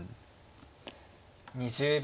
２０秒。